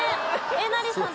えなりさん